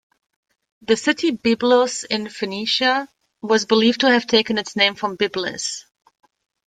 The city Byblos in Phoenicia was believed to have taken its name from Byblis.